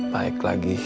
baik lagi berdua